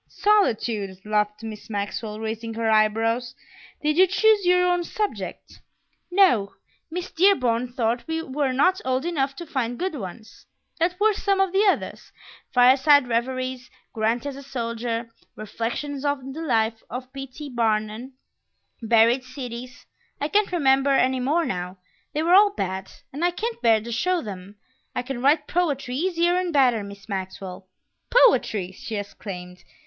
"Solitude!" laughed Miss Maxwell, raising her eyebrows. "Did you choose your own subject?" "No; Miss Dearborn thought we were not old enough to find good ones." "What were some of the others?" "Fireside Reveries, Grant as a Soldier, Reflections on the Life of P. T. Barnum, Buried Cities; I can't remember any more now. They were all bad, and I can't bear to show them; I can write poetry easier and better, Miss Maxwell." "Poetry!" she exclaimed.